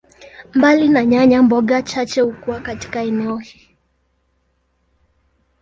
Mbali na nyanya, mboga chache hukua katika eneo.